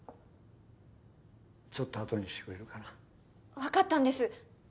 ちょっとあとにしてくれるかな分かったんです